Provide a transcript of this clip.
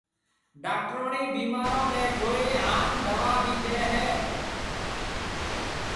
ڊاڪٽروڻِي بيمارون نَي جوئي هانَ دوا ڀِي ڏي هيَ۔